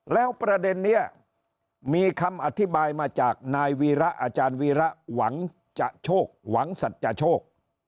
แล้วประเด็นนี้มีคำอธิบายมาจากนายวีระอาจารย์วีระหวังจะโชคหวังสัจโชค